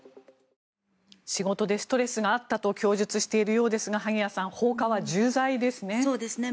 仕事でストレスがあったと供述しているようですが萩谷さん、放火は重罪ですね。